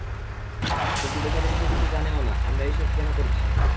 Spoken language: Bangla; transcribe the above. কিন্তু বেচারি বিষয়টি তো জানেও না, আমরা এই সব কেন করছি।